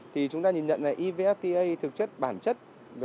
thì chúng ta nhìn nhận là evfta thực chất bản chất